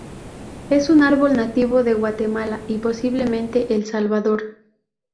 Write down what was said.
Es un árbol nativo de Guatemala, y posiblemente El Salvador.